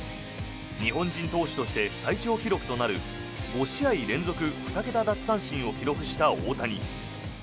日本人投手として最長記録となる５試合連続２桁奪三振を記録した大谷。